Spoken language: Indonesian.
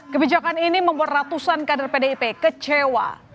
kebijakan ini membuat ratusan kader pdip kecewa